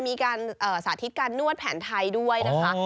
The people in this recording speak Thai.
มีการสาธิตการนวดแผนไทยด้วยนะคะ